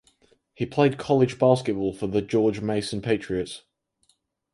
He played college basketball for the George Mason Patriots.